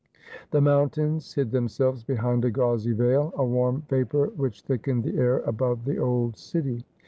The mountains hid themselves behind a gauzy veil, a warm vapour which thickened the air above the old city.